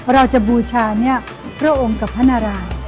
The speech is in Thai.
เราจะบูชาพระองค์กับพระนารายย์